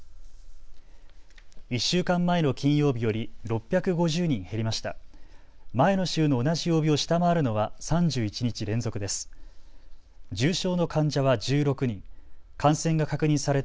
１週間前の金曜日より６５０人減りました。